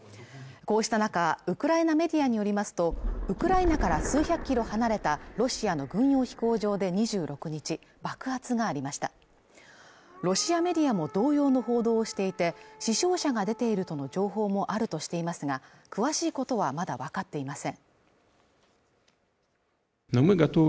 こうした中ウクライナメディアによりますとウクライナから数百キロ離れたロシアの軍用飛行場で２６日爆発がありましたロシアメディアも同様の報道をしていて死傷者が出ているとの情報もあるとしていますが詳しいことはまだ分かっていません